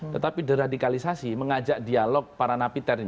tetapi deradikalisasi mengajak dialog para napi teroris itu